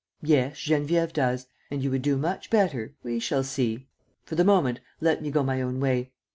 "Yes, Geneviève does. And you would do much better ..." "We shall see. For the moment, let me go my own way.